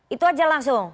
itu saja langsung